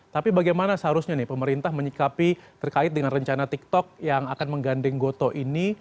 tapi bagaimana seharusnya nih pemerintah menyikapi terkait dengan rencana tiktok yang akan menggandeng goto ini